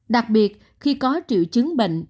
đặc biệt khi có triệu chứng bệnh